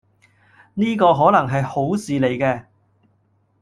呢個可能係好事嚟嘅